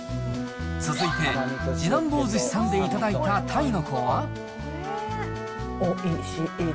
続いて、次男坊寿司さんで頂いた鯛の子は。